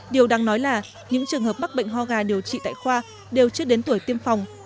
điều đáng nói là những trường hợp mắc bệnh ho gà điều trị tại khoa đều chưa đến tuổi tiêm phòng